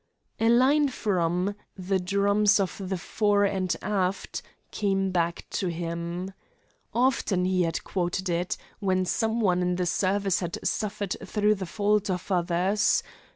A line from "The Drums of the Fore and Aft" came back to him. Often he had quoted it, when some one in the service had suffered through the fault of others.